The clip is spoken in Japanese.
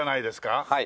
はい。